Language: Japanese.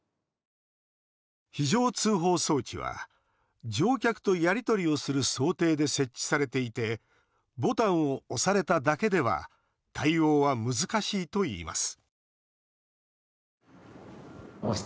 非常通報装置は乗客とやり取りをする想定で設置されていてボタンを押されただけでは対応は難しいといいます